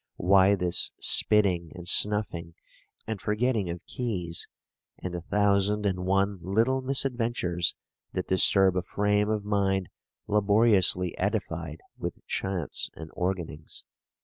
why this spitting, and snuffing, and forgetting of keys, and the thousand and one little misadventures that disturb a frame of mind laboriously edified with chaunts and organings?